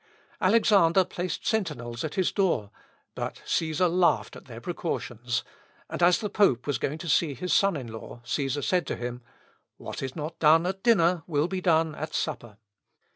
Alexander placed sentinels at his door, but Cæsar laughed at their precautions, and as the pope was going to see his son in law, Cæsar said to him, "What is not done at dinner will be done at supper."